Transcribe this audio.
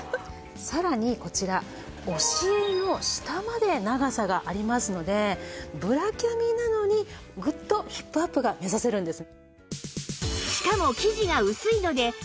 さらにこちらお尻の下まで長さがありますのでブラキャミなのにグッとヒップアップが目指せるんです。